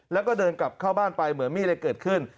แล้วก็เดินกลับเข้าบ้านไปเหมือนมีอะไรเกิดขึ้น